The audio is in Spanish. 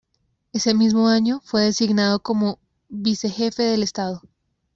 Ese mismo año, fue designado como Vicejefe de Estado.